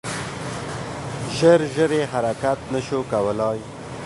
ژر ژر یې حرکت نه شو کولای .